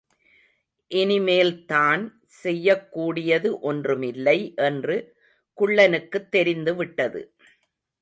இனிமேல் தான், செய்யக்கூடியது ஒன்றுமில்லை என்று குள்ளனுக்குத் தெரிந்துவிட்டது.